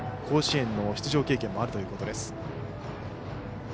甲子園にも出場経験があるということです。